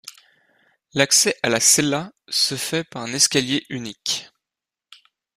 L’accès à la cella se fait par un escalier unique.